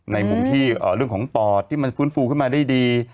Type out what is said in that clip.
ในมุมที่เรื่องของปอดที่มันฟื้นฟูขึ้นมาได้ดี